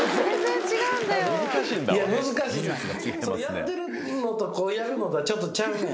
やってるのとやるのとはちょっとちゃうね。